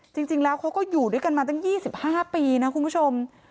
จริงแล้วเขาก็อยู่ด้วยกันมาตั้ง๒๕ปีนะคุณผู้ชม